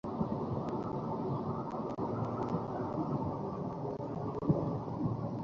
Luis, তার কি হচ্ছে?